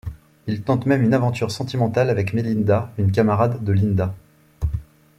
Il tente même une aventure sentimentale avec Melinda, une camarade de Linda.